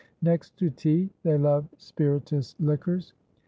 Next to tea, they love spirituous liquors.